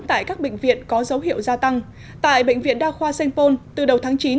tại các bệnh viện có dấu hiệu gia tăng tại bệnh viện đa khoa sengpon từ đầu tháng chín